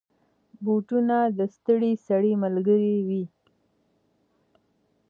بوټونه د ستړي سړي ملګری وي.